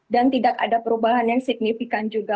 dan tidak ada perubahan yang signifikan juga